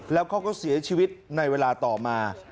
แล้วเขาก็เสียชีวิตในเวลาต่อมา